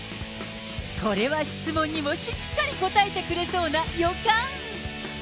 これは質問にもしっかり答えてくれそうな予感。